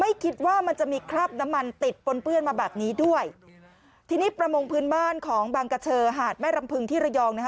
คิดว่ามันจะมีคราบน้ำมันติดปนเปื้อนมาแบบนี้ด้วยทีนี้ประมงพื้นบ้านของบางกระเชอหาดแม่รำพึงที่ระยองนะคะ